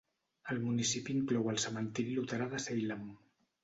El municipi inclou el cementiri luterà de Salem.